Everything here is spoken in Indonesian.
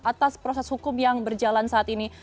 atas proses hukum yang berjalan saat ini